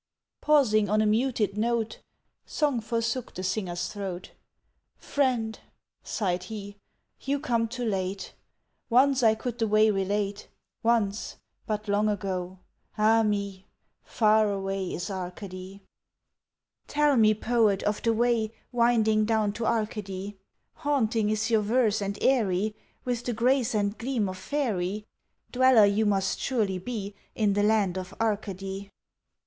Pausing on a muted note, Song forsook the Singer's throat, "Friend," sighed he, "you come too late, Once I could the way relate, Once but long ago; Ah me, Far away is Arcady!" "Tell me, Poet, of the way Winding down to Arcady? Haunting is your verse and airy With the grace and gleam of faery Dweller you must surely be In the land of Arcady?"